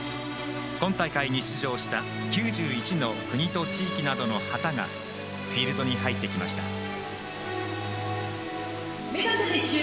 今大会に出場した９１の国と地域などの旗がフィールドに入ってきました。